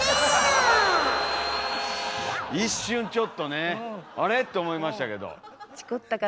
一瞬ちょっとねあれ？と思いましたけど。